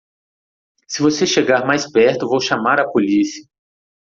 se você chegar mais perto vou chamar a policia